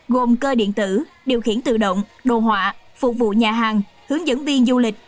gồm cơ điện tử điều khiển tự động đồ họa phục vụ nhà hàng hướng dẫn viên du lịch